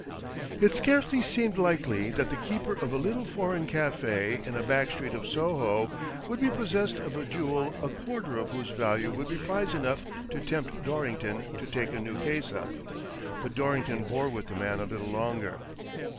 " It scarcely seemed likely that the keeper of a little foreign cafe in a back street of Soho would be possessed of a jewel a quarter of whose value would be prize enough to tempt Dorrington to take a new case up. But Dorrington bore with the man a little longer.